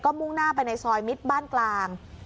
มุ่งหน้าไปในซอยมิตรบ้านกลาง